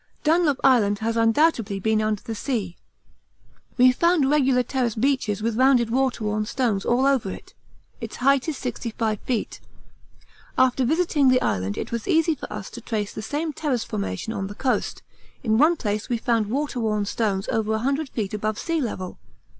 Dunlop Island has undoubtedly been under the sea. We found regular terrace beaches with rounded waterworn stones all over it; its height is 65 feet. After visiting the island it was easy for us to trace the same terrace formation on the coast; in one place we found waterworn stones over 100 feet above sea level.